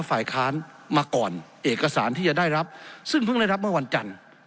ฝ่ายค้านมาก่อนเอกสารที่จะได้รับซึ่งเพิ่งได้รับเมื่อวันจันทร์